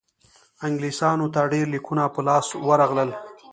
انګلیسیانو ته ډېر لیکونه په لاس ورغلل.